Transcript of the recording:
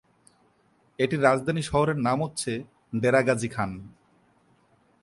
এটির রাজধানী শহরের নাম হচ্ছে ডেরা গাজী খান।